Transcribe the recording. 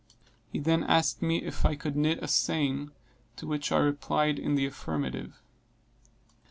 He then asked me if I could knit a seine, to which I replied in the affirmative.